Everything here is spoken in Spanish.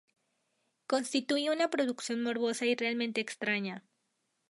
Constituye una producción morbosa y realmente extraña.